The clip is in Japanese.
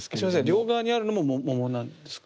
両側にあるのも桃なんですか？